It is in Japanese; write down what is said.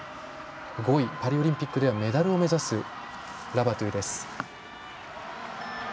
５位、パリオリンピックではメダルを目指すラバトゥです。